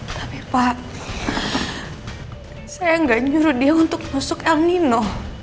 tapi pak saya tidak menyuruh dia untuk masuk el nino